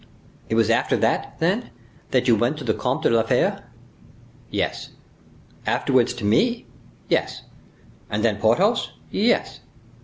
"It was after that, then, that you went to the Comte de la Fere's?" "Yes." "Afterwards to me?" "Yes." "And then Porthos?" "Yes."